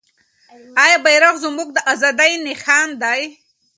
آیا بیرغ زموږ د ازادۍ نښان نه دی؟